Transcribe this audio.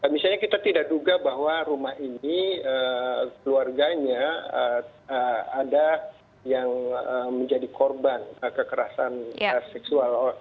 misalnya kita tidak duga bahwa rumah ini keluarganya ada yang menjadi korban kekerasan seksual